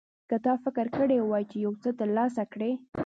که تا فکر کړی وي چې یو څه ترلاسه کړې.